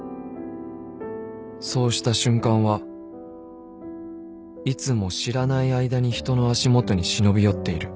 ［そうした瞬間はいつも知らない間に人の足元に忍び寄っている］